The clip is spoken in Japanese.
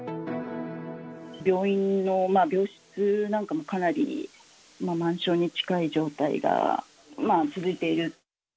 病院の病室なんかも、かなり満床に近い状態が続いている。